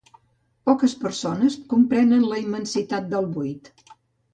Poques persones comprenen la immensitat del buit.